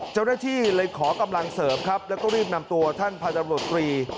เจ้าหน้าที่เลยขอกำลังเสริมครับแล้วก็รีบนำตัวท่านพันธบรตรี